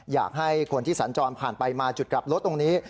อยากให้คนที่สัญจรผ่านไปมาจุดกลับรถตรงนี้